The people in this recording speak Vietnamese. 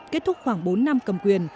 kết thúc khoảng bốn năm cầm quyền